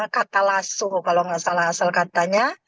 katalasu kalau nggak salah asal katanya